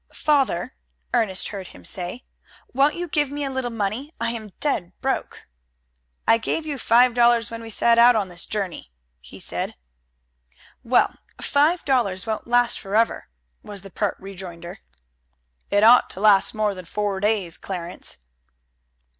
"Father," Ernest heard him say, "won't you give me a little money? I am dead broke." "I gave you five dollars when we set out on this journey," he said. "Well, five dollars won't last forever," was the pert rejoinder. "It ought to last more than four days, Clarence."